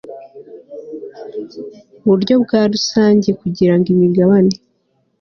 buryo bwa rusange kugura imigabane